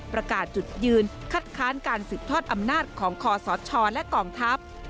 ประกาศจุดยืนคัดค้านการสืบทอดอำนาจของคอสชและกองทัพ